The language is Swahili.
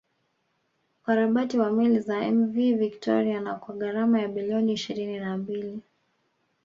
Ukarabati wa meli za Mv Victoria na kwa gharama ya bilioni ishirini na mbili